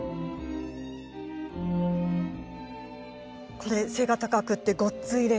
これ背が高くてごっついでしょ。